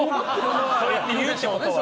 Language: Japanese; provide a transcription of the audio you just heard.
そうやって言うってことは。